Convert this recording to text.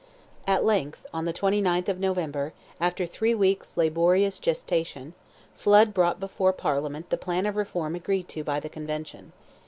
At length, on the 29th of November, after three weeks' laborious gestation, Flood brought before Parliament the plan of reform agreed to by the Convention.